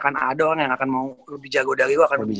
gue pasti akan ada orang yang akan mau lebih jago dari gue